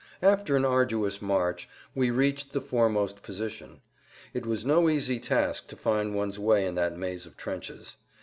After an arduous march we[Pg 149] reached the foremost position. It was no easy task to find one's way in that maze of trenches.